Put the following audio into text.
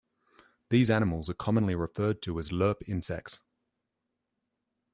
These animals are commonly referred to as lerp insects.